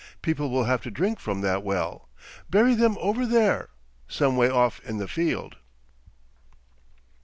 People will have to drink from that well. Bury them over there, some way off in the field.